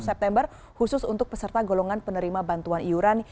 september khusus untuk peserta golongan penerima bantuan iuran